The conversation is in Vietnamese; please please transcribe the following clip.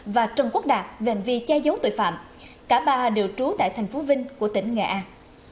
và trần quốc đạt về hành vi che giấu tội phạm cả ba đều trú tại thành phố vinh của tỉnh nghệ an